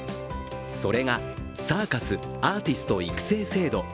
それがサーカス・アーティスト育成制度。